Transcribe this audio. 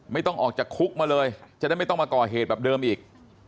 ไม่ต้องออกจากคุกมาเลยจะได้ไม่ต้องมาก่อเหตุแบบเดิมอีก